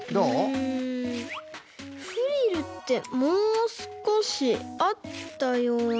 うんフリルってもうすこしあったような。